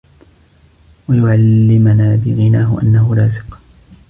وَيُعْلِمَنَا بِغِنَاهُ أَنَّهُ رَازِقٌ